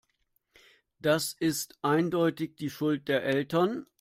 Das ist eindeutig die Schuld der Eltern.